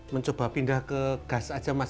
mencoba pindah ke gas aja mas